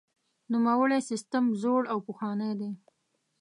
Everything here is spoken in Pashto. نوموړی سیستم زوړ او پخوانی دی.